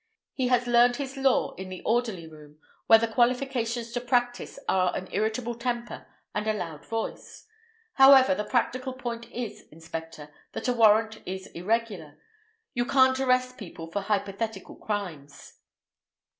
He has learned his law in the orderly room, where the qualifications to practise are an irritable temper and a loud voice. However, the practical point is, inspector, that the warrant is irregular. You can't arrest people for hypothetical crimes."